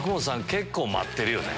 結構待ってるよね。